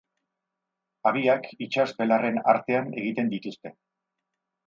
Habiak itsas-belarren artean egiten dituzte.